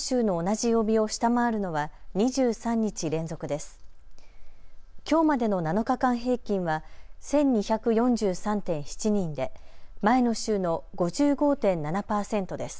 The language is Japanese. きょうまでの７日間平均は１２４３．７人で前の週の５５．７％です。